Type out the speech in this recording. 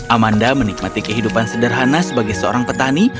amanda menikmati kehidupan sederhana sebagai seorang petani